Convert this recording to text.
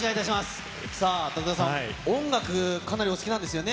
さあ、武田さん、音楽、かなりお好きなんですよね。